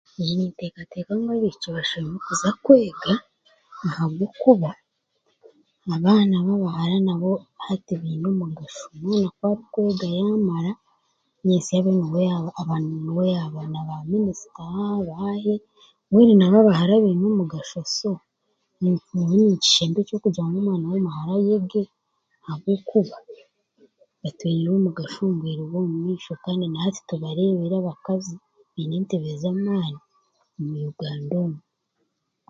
Naanye ninteeekateeka ngu abaishiki bashemereire kuza kwega ahabwokuba abaana b'obuhara hati nabo baine mugasho mwingi ku akwega yaamara nyesya abani abaniwe yaaba ba minisita baahe mbenu nabo abahara baine omugasho so ni nyowe ninkishemba eky'okugira ngu omwana w'omuhara ayege ahabwokuba bataireho omugasho omu bwire bw'omumaisho kandi nahati tubareebire abakazi baine entebe z'amaani omu Uganda omu